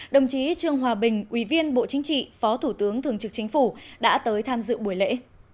đồng chí trương hòa bình ủy viên bộ chính trị phó thủ tướng thường trực chính phủ đã tới tham dự buổi lễ